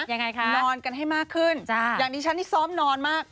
ยังไงคะนอนกันให้มากขึ้นอย่างนี้ฉันนี่ซ้อมนอนมาก